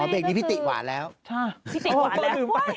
อ๋อเด็กนี้พี่ติหวานแล้วใช่ใช่ค่ะพี่ติหวานแล้ว